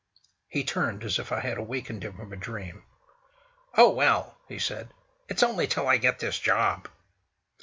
He turned, as if I had awakened him from a dream. "Oh, well!" he said, "it's only till I get this job."